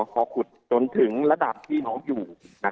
พอขุดจนถึงระดับที่น้องอยู่